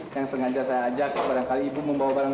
yang sengaja saya ajak warangkali ibu membawa saya ke sini